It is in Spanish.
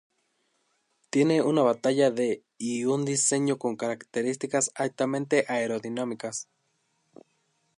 Tiene una batalla de y un diseño con características altamente aerodinámicas.